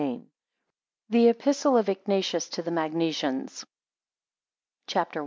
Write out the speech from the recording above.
Amen. THE EPISTLE OF IGNATIUS TO THE MAGNESIANS CHAPTER I.